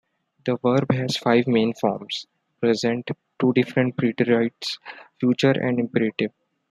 The verb has five main forms: present, two different preterites, future, and imperative.